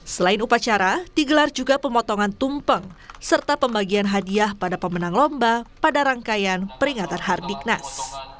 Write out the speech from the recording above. selain upacara digelar juga pemotongan tumpeng serta pembagian hadiah pada pemenang lomba pada rangkaian peringatan hardiknas